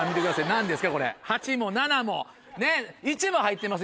何ですかこれ８も７もねっ１も入ってます